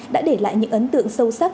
đã để lại những ấn tượng sâu sắc